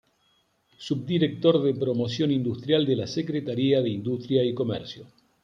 Subdirector de Promoción Industrial de la Secretaría de Industria y Comercio.